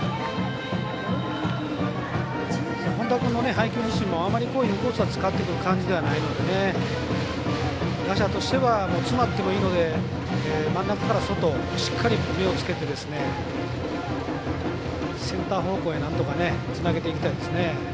本田君の配球自身もあまりインコースを使ってくる感じではないので打者としては詰まってもいいので真ん中から外しっかり目をつけてセンター方向へ、なんとかつなげていきたいですね。